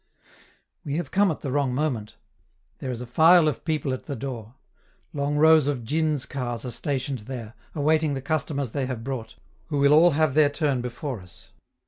We have come at the wrong moment; there is a file of people at the door. Long rows of djins' cars are stationed there, awaiting the customers they have brought, who will all have their turn before us.